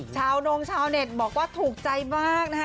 ชาวนงชาวเน็ตบอกว่าถูกใจมากนะคะ